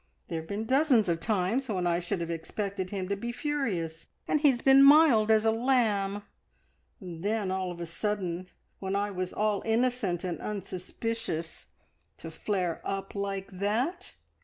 There have been dozens of times when I should have expected him to be furious, and he's been as mild as a lamb; and then of a sudden, when I was all innocent and unsuspicious, to flare up like that!